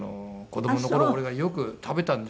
子どもの頃俺がよく食べたんですよね。